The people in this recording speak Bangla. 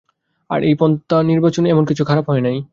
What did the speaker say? আর এই পন্থা-নির্বাচন এমন কিছু খারাপ হয় নাই।